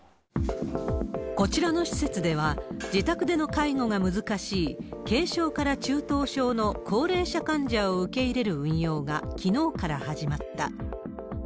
こちらの施設では、自宅での介護が難しい軽症から中等症の高齢者患者を受け入れる運用が、きのうから始まった。